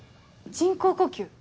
人工呼吸？